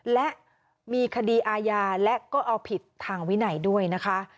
และมีคดีอาญาและก็เอาผิดทางวินัยด้วยนะคะ